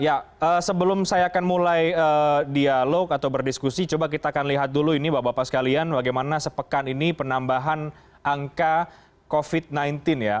ya sebelum saya akan mulai dialog atau berdiskusi coba kita akan lihat dulu ini bapak bapak sekalian bagaimana sepekan ini penambahan angka covid sembilan belas ya